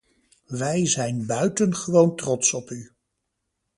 Wij zijn buitengewoon trots op u.